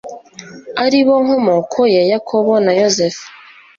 ari bo nkomoko ya yakobo na yozefu